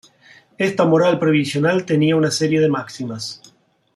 Esta moral provisional tenía una serie de máximas.